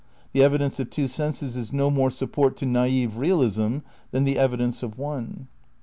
The evidence of two senses is no more support to naif re alism than the evidence of one.